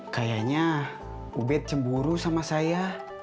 kayaknya ubed cemburu sama saya